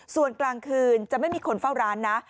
ส่วนกลางคืนจะไม่มีคนเฝ้าร้านนะ